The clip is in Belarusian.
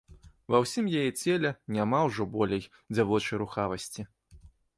Ва ўсім яе целе няма ўжо болей дзявочай рухавасці.